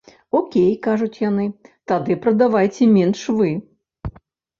Окей, кажуць яны, тады прадавайце менш вы.